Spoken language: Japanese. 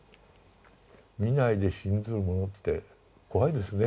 見ないで信ずるものって怖いですね。